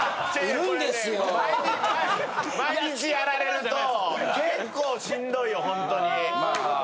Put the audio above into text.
毎日やられると結構しんどいよほんとに。